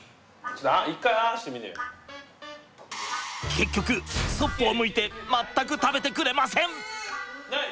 結局そっぽを向いて全く食べてくれません。